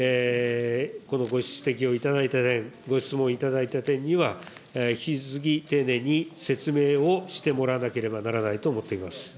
このご指摘を頂いた点、ご質問いただいた点には、引き続き丁寧に説明をしてもらわなければならないと思っています。